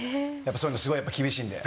そういうのすごい厳しいんで。